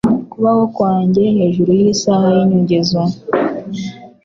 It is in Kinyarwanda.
Kubaho kwanjye hejuru yisaha y’inyongezo